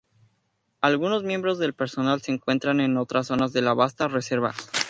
Algunos miembros del personal se encuentran en otras zonas de la vasta reserva.